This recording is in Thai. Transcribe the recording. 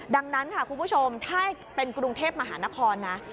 ดังนั้นค่ะคุณผู้ชมถ้าเป็นกรุงเทพมหานครนะ